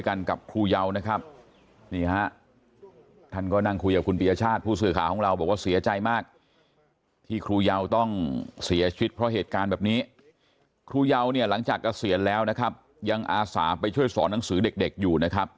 ครูเยาว์เนี่ยหลังจากเกษียณแล้วนะครับยังอาสาไปช่วยสอนหนังสือเด็กอยู่นะครับ